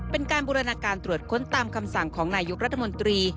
เป็นการบูรณาการตรวจค้นตามคำสั่งของนายกรัฐมนตรี